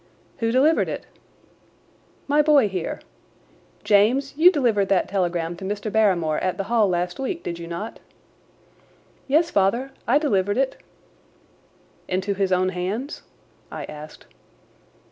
"Who delivered it?" "My boy here. James, you delivered that telegram to Mr. Barrymore at the Hall last week, did you not?" "Yes, father, I delivered it." "Into his own hands?" I asked.